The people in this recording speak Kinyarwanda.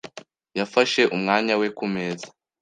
yafashe umwanya we kumeza.